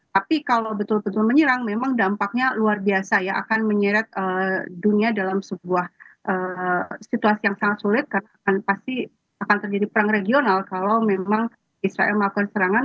tapi kalau betul betul menyerang memang dampaknya luar biasa ya akan menyeret dunia dalam sebuah situasi yang sangat sulit karena akan pasti akan terjadi perang regional kalau memang israel melakukan serangan